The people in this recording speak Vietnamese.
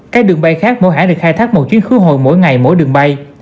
các đường bay khác mỗi hãng được khai thác một chuyến khứa hồi mỗi ngày mỗi đường bay